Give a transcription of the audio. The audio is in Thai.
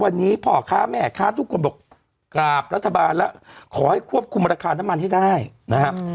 วันนี้พ่อค้าแม่ค้าทุกคนบอกกราบรัฐบาลแล้วขอให้ควบคุมราคาน้ำมันให้ได้นะครับ